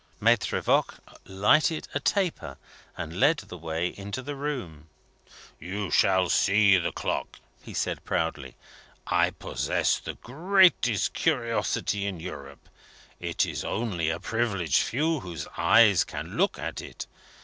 Maitre Voigt lighted a taper, and led the way into the room. "You shall see the clock," he said proudly. "I possess the greatest curiosity in Europe. It is only a privileged few whose eyes can look at it.